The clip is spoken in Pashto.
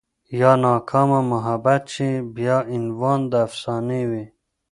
يا ناکامه محبت شي بيا عنوان د افسانې وي